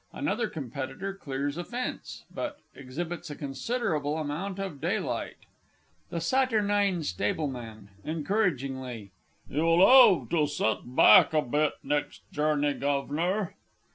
Another Competitor clears a fence, but exhibits a considerable amount of daylight._ THE SATURNINE STABLEMAN (encouragingly). You'll 'ev to set back a bit next journey, Guv'nor!